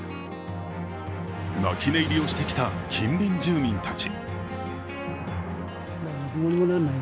泣き寝入りをしてきた近隣住民たち。